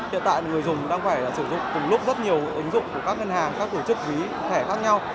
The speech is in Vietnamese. hiện tại người dùng đang phải sử dụng cùng lúc rất nhiều ứng dụng của các ngân hàng các tổ chức ví thẻ khác nhau